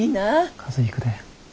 風邪ひくで。